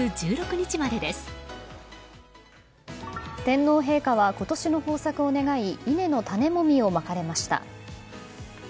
天皇陛下は今年の豊作を願い稲の種もみをまかれました。